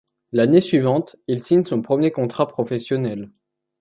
L'année suivante, il signe son premier contrat professionnel.